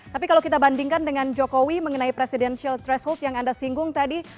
tapi kalau kita bandingkan dengan jokowi mengenai presidensial threshold yang anda singgung tadi